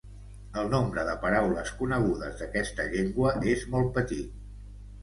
El nombre de paraules conegudes d'aquesta llengua és molt petit.